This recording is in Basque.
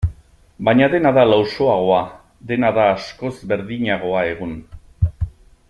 Baina dena da lausoagoa, dena da askoz berdinagoa egun.